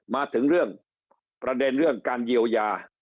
การเปิดห้างเปิดอะไรมาเนี่ย